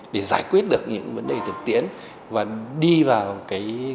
để giải quyết được những vấn đề thực tiễn và đi vào cái